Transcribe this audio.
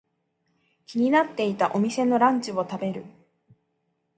気になっていたお店のランチを食べる。